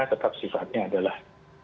tetap sifatnya adalah